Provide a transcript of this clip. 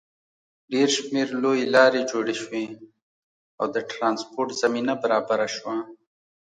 ډېر شمېر لویې لارې جوړې شوې او د ټرانسپورټ زمینه برابره شوه.